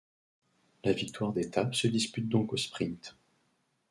La victoire d'étape se dispute donc au sprint.